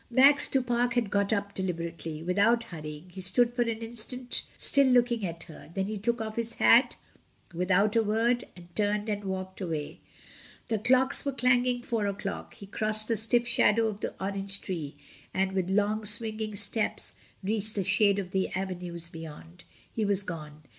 Max du Pare had got up deliberately, without hurrying; he stood for an instant still looking at her; then he took off his hat without a word, and turned and walked away. The clocks were clanging four o'clock; he crossed the stiff shadow of the orange tree, and with long swinging steps reached the shade of the avenues beyond, he was gone.